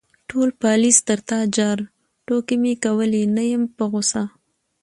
_ټول پالېز تر تا جار، ټوکې مې کولې، نه يم په غوسه.